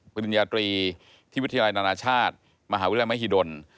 ปริญญาตรีที่วิทยาลัยนานาชาติมหาวิทยาลัยมหิดล